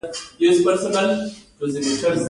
دا کارزارونه د پراخې نه همکارۍ له ډول څخه دي.